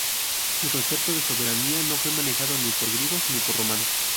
El concepto de soberanía no fue manejado ni por griegos ni por romanos.